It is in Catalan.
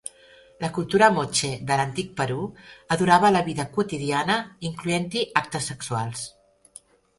La cultura moche de l'antic Perú adorava la vida quotidiana incloent-hi actes sexuals.